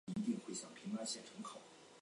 和朋友边聊天